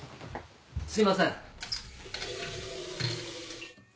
すいません。